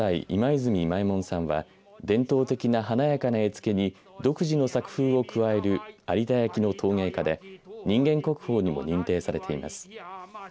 今右衛門さんは伝統的な華やか絵付けに独自の作風を加える有田焼の陶芸家で人間国宝にも認定されています。